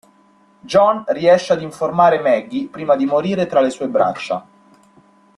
John riesce ad informare Maggie prima di morire tra le sue braccia.